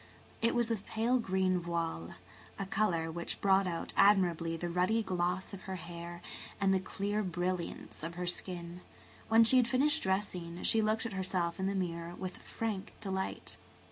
[Page 145] It was of pale green voile–a colour which brought out admirably the ruddy gloss of her hair and the clear brilliance of her skin. When she had finished dressing she looked at herself in the mirror with frank delight.